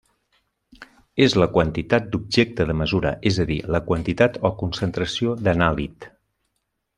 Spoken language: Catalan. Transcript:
És la quantitat d'objecte de mesura, és a dir, la quantitat o concentració d'anàlit.